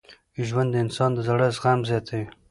ژوند د انسان د زړه زغم زیاتوي.